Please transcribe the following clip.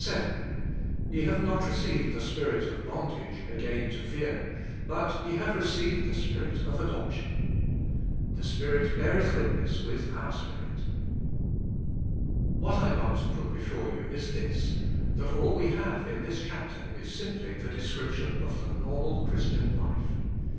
Ye have not received the spirit of bondage again to fear, but ye have received the Spirit of adoption," The Spirit beareth witness with our spirit. What I want to put before you is this, that all we 16 THB SPIRITUAL LIFE. Have in this chapter is simply the description of the normal Christian life.